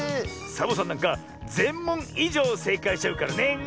サボさんなんかぜんもんいじょうせいかいしちゃうからね。